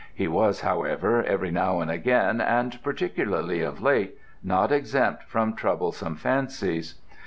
He was, however, every now and again, and particularly of late, not exempt from troublesome fancies.